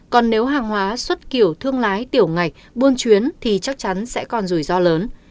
còn nếu hàng hóa xuất kiểu thương lái tiểu ngạch buôn chuyến thì chắc chắn sẽ còn rủi ro lớn